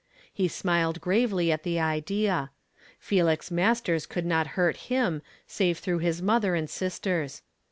He smiled gravely at the idea. Felix Masters could not hurt him save through his mother and sisters.